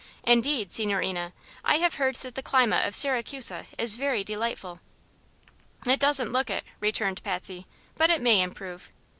"Indeed, signorina, I have heard that the climate of Siracusa is very delightful." "It doesn't look it," returned Patsy; "but it may improve."